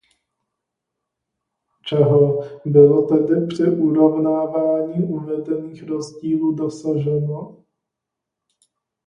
Čeho bylo tedy při urovnávání uvedených rozdílů dosaženo?